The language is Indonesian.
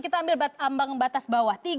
kita ambil ambang batas bawah